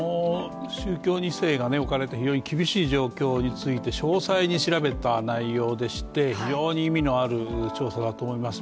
宗教２世が置かれた非常に厳しい状況について詳細に調べた内容でして非常に意味のある調査だと思います。